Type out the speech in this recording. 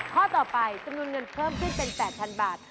ข้อต่อไปจำนวนเงินเพิ่มขึ้นเป็น๘๐๐๐บาท